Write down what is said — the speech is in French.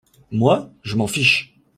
Moi ?… je m’en fiche !…